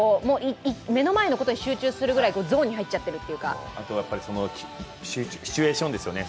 目の前のことに集中するぐらいゾーンに入っちゃってるというかシチュエーションですよね。